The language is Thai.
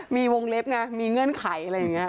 มีวงเล็บไงมีเงื่อนไขอะไรอย่างนี้